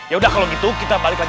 aduh leher leher juga lagi